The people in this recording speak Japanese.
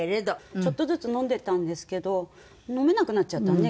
ちょっとずつ飲んでたんですけど飲めなくなっちゃったね